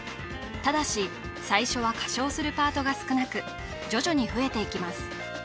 ただし最初は歌唱するパートが少なく徐々に増えていきます